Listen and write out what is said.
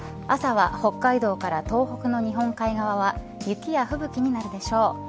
朝は北海道から東北の日本海側は雪や吹雪になるでしょう。